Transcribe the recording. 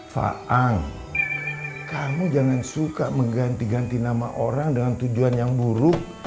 faang kamu jangan suka mengganti ganti nama orang dengan tujuan yang buruk